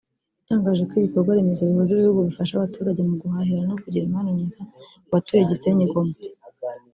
yatangaje ko ibikorwa remezo bihuza ibihugu bifasha abaturage mu guhahirana no kugira imibanire myiza kubatuye Gisenyi-Goma